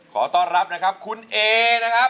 ขอต้อนรับนะครับคุณเอนะครับ